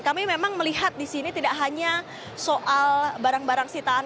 kami memang melihat di sini tidak hanya soal barang barang sitaan